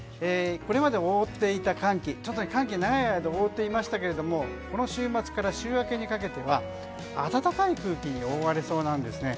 これまで覆っていた寒気寒気が長い間覆っていましたけれどもこの週末から週明けにかけては暖かい空気に覆われそうなんです。